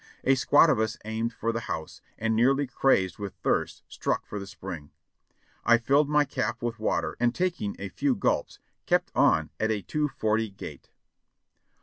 A squad of us aimed for the house, and nearly crazed with thirst, struck for the spring. I filled my cap with water, and taking a few gulps kept on at a two forty gait.